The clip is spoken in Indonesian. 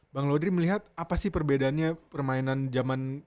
bang lodri melihat apa sih perbedaannya permainan jaman